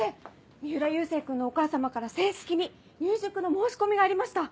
三浦佑星君のお母様から正式に入塾の申し込みがありました！